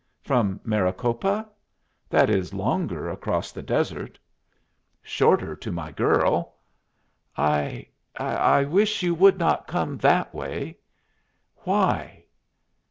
"From Maricopa? That is longer across the desert." "Shorter to my girl." "I I wish you would not come that way." "Why?"